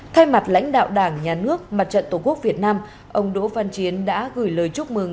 thay mặt lãnh đạo đảng nhà nước mặt trận tổ quốc việt nam ông đỗ văn chiến đã gửi lời chúc mừng